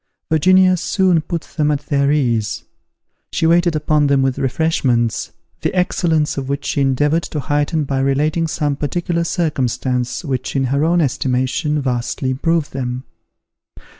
Virginia soon put them at their ease; she waited upon them with refreshments, the excellence of which she endeavoured to heighten by relating some particular circumstance which in her own estimation, vastly improved them.